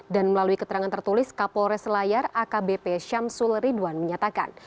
dan melalui keterangan tertulis kapolres selayar akbp syamsul ridwan menyatakan